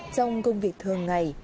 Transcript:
trong công việc thường ngày